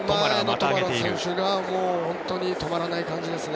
トマラ選手が本当に止まらない感じですね。